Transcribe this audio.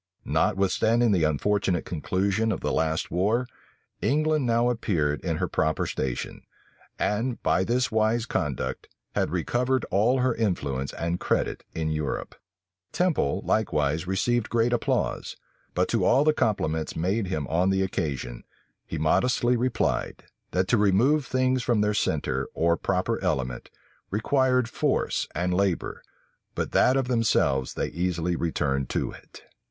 Notwithstanding the unfortunate conclusion of the last war, England now appeared in her proper station, and, by this wise conduct, had recovered all her influence and credit in Europe. Temple likewise received great applause; but to all the compliments made him on the occasion, he modestly replied, that to remove things from their centre, or proper element, required force and labor; but that of themselves they easily returned to it.